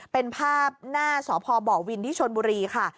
เป็นภาพหน้าสพบวินที่ชนบุรีค่ะ